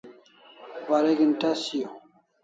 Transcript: Wareg'in test shiau